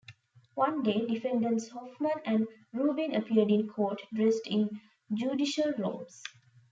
One day, defendants Hoffman and Rubin appeared in court dressed in judicial robes.